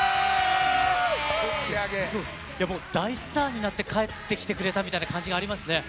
もう大スターになって帰ってきてくれたみたいな感じがありますね。